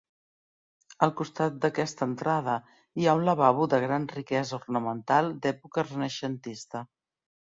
Al costat d'aquesta entrada hi ha un lavabo de gran riquesa ornamental d'època renaixentista.